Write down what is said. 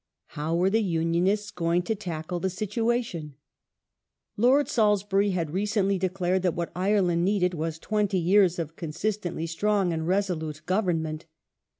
How were the Unionists going to tackle the situation ? Lord Salisbury had recently declared that what Ireland needed was twenty years of consistently strong and resolute government.